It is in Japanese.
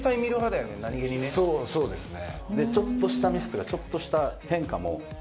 そうそうですね。